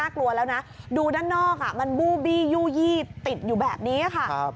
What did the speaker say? กลัวแล้วนะดูด้านนอกมันบูบี้ยู่ยี่ติดอยู่แบบนี้ค่ะ